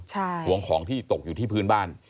ห่วงของที่ตกอยู่ที่พื้นบ้าน